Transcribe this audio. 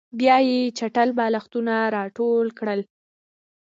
بیا یې چټل بالښتونه راټول کړل